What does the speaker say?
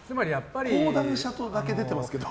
講談社とだけ出てますけど。